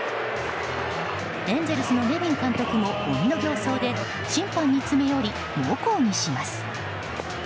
エンゼルスのネビン監督も鬼の形相で審判に詰め寄り、猛抗議します。